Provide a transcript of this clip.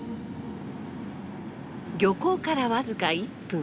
漁港から僅か１分。